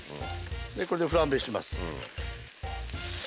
でこれでフランベします。